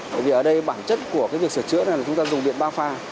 bởi vì ở đây bản chất của cái việc sửa chữa này là chúng ta dùng điện ba pha